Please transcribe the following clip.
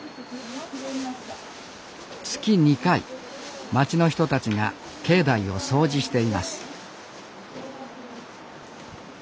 月２回町の人たちが境内を掃除しています